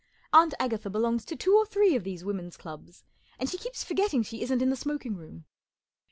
Aunt Agatha belongs to two or three of these women's clubs, and she keeps forgetting she isn't in the smoking room.